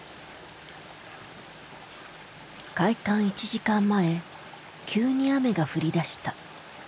開館１時間前急に雨が降りだした。